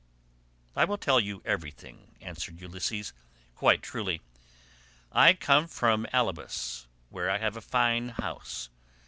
"I will tell you everything," answered Ulysses, "quite truly. I come from Alybas, where I have a fine house.